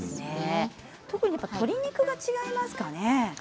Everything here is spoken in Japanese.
特に鶏肉は違いますかね。